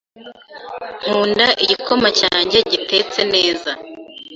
Nkunda igikoma cyanjye gitetse neza.